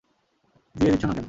দিয়ে দিচ্ছো না কেন?